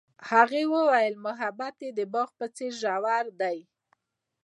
هغې وویل محبت یې د باغ په څېر ژور دی.